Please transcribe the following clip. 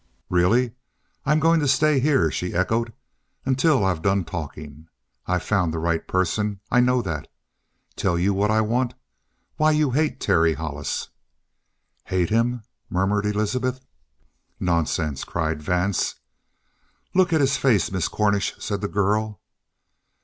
Really " "I'm going to stay here," she echoed, "until I've done talking. I've found the right person. I know that. Tell you what I want? Why, you hate Terry Hollis!" "Hate him?" murmured Elizabeth. "Nonsense!" cried Vance. "Look at his face, Miss Cornish," said the girl.